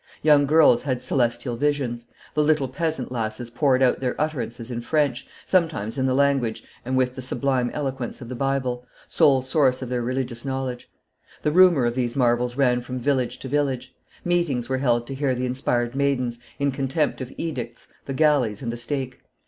Young girls had celestial visions; the little peasant lasses poured out their utterances in French, sometimes in the language and with the sublime eloquence of the Bible, sole source of their religious knowledge. The rumor of these marvels ran from village to village; meetings were held to hear the inspired maidens, in contempt of edicts, the galleys, and the stake.